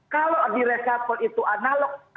kalau di reshuffle itu analog